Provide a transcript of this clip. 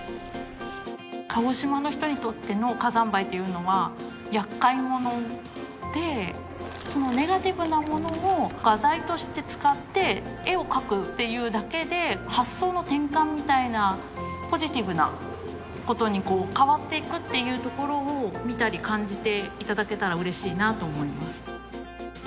鹿児島の人にとっての火山灰というのはやっかいものでそのネガティブなものを画材として使って絵を描くっていうだけで発想の転換みたいなポジティブなことに変わっていくっていうところを見たり感じていただけたら嬉しいなと思います